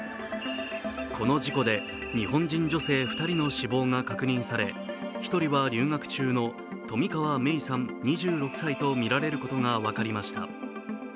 この事故で日本人女性２人の死亡が確認され１人は留学中の冨川芽生さん２６歳とみられることが分かりました。